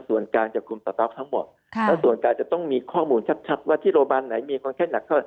ส่วนกลางจะคลุมสต๊อกทั้งหมดค่ะแล้วส่วนกลางจะต้องมีข้อมูลชัดชัดว่าที่โรงพยาบาลไหนมีคนแค่หนัก